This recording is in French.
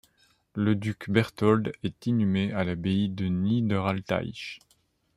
Le duc Berthold est inhumé à l'abbaye de Niederaltaich.